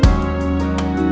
yeay semangatnya dah